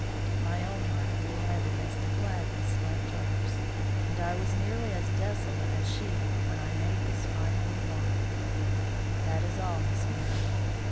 My own heart grew heavy as the gladness left hers, and I was nearly as desolate as she when I made this final remark: "That is all, Miss Meredith.